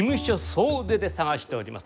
総出で探しております。